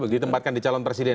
ditempatkan di calon presiden